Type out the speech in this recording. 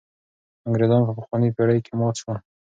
انګرېزان په پخوانۍ پېړۍ کې مات شول.